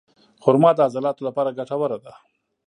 خرما د عضلاتو لپاره ګټوره ده.